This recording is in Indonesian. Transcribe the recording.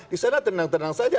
di sana tenang tenang saja